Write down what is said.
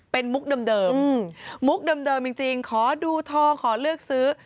เป็นมุกเดิมมุกเดิมจริงขอดูทองขอเลือกซื้อ